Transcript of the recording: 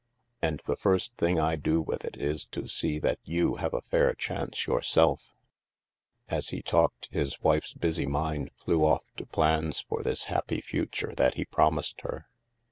And the first thing I do with it is to see that you have a fair chance yourself." As he talked, his wife's busy mind flew off to plans for this happy future that he promised her.